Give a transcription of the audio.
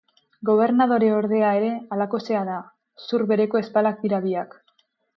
Gobernadoreordea ere halakoxea da; zur bereko ezpalak dira biak.